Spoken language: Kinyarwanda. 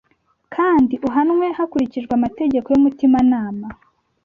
Kandi uhanwe hakurikijwe amategeko y’umutimanama.